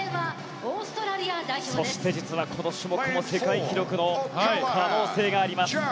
そして実は今年も世界記録の可能性があります。